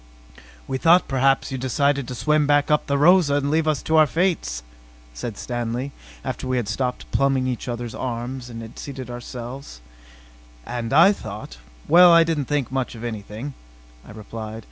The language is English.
"We thought perhaps you'd decided to swim back up to the Rosa and leave us to our fates," said Stanley after we had stopped pumping each other's arms and had seated ourselves. "And I thought well, I didn't think much of anything," I replied.